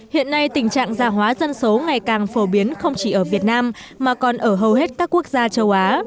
hiện nay tình trạng gia hóa dân số ngày càng phổ biến không chỉ ở việt nam mà còn ở hầu hết các quốc gia châu á